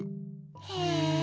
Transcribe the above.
へえ。